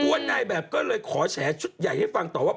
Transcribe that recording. ตัวนายแบบก็เลยขอแฉชุดใหญ่ให้ฟังต่อว่า